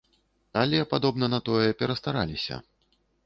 Але, падобна на тое, перастараліся.